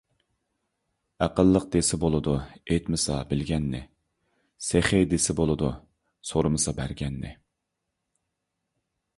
ئەقىللىق دېسە بولىدۇ، ئېيتمىسا بىلگەننى؛ سېخىي دېسە بولىدۇ، سورىمىسا بەرگەننى.